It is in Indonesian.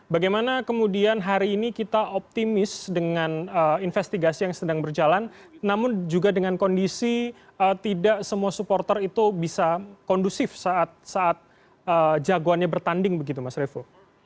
bagaimana kemudian hari ini kita optimis dengan investigasi yang sedang berjalan namun juga dengan kondisi tidak semua supporter itu bisa kondusif saat jagoannya bertanding begitu mas revo